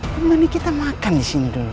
temenin kita makan disini dulu